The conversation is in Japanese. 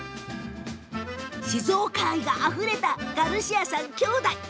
静岡愛があふれたガルシアさん兄弟。